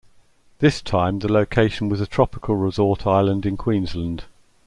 This time the location was a tropical resort island in Queensland.